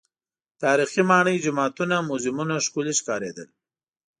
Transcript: تاریخي ماڼۍ، جوماتونه، موزیمونه ښکلي ښکارېدل.